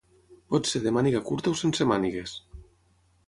Pot ser de màniga curta o sense mànigues.